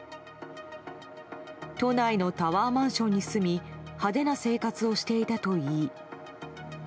都内のタワーマンションに住み派手な生活をしていたといい。